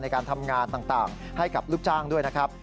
ในการทำงานต่างให้กับลูกจ้างด้วยนะครับ